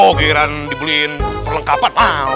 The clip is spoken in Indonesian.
oh kiran dibeliin perlengkapan mau